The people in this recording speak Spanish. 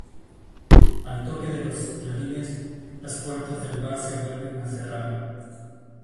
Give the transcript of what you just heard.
Al toque de los clarines, las puertas del bar se vuelven a cerrar.